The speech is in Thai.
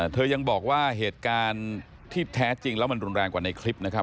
เธอยังบอกว่าเหตุการณ์ที่แท้จริงแล้วมันรุนแรงกว่าในคลิปนะครับ